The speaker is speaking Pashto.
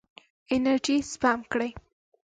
انرژي سپم کړئ.